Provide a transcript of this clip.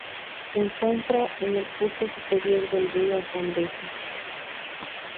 Se encuentra en el curso superior del río Zambeze.